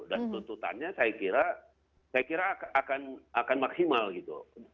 dan tuntutannya saya kira saya kira akan maksimal gitu